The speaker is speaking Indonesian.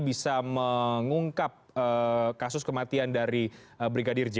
bisa mengungkap kasus kematian dari brigadir j